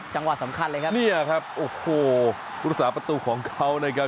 จังหวัดสำคัญเลยครับนี่แหละครับโอ้โหภูมิสาประตูของเขานะครับ